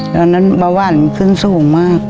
ตอนนั้นเบาหวานขึ้นสูงมาก